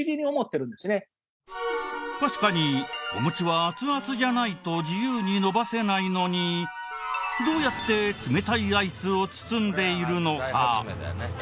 確かにお餅は熱々じゃないと自由に伸ばせないのにどうやって冷たいアイスを包んでいるのか？